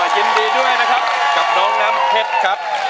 ยินดีด้วยนะครับกับน้องน้ำเพชรครับ